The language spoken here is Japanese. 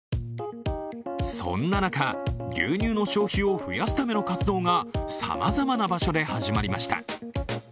そんな中、牛乳の消費を増やすための活動がさまざまな場所で始まりました。